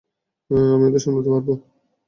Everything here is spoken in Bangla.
আমি ওদের সামলাতে পারবো।